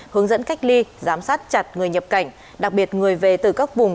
hướng dẫn cách ly giám sát chặt người nhập cảnh đặc biệt người về từ các vùng